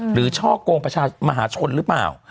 หรือชอกโครงประชาติมหาชนหรือเปล่า